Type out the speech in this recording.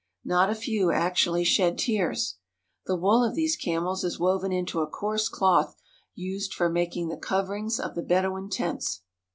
Not a few actually shed tears. The wool of these camels is woven into a coarse cloth used for making the coverings of the Bedouin tents.